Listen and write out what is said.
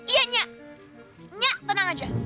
iya nyak nya tenang aja